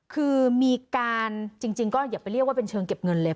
คือมีการจริงก็อย่าไปเรียกว่าเป็นเชิงเก็บเงินเลย